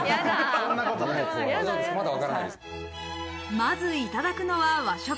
まずいただくのは和食。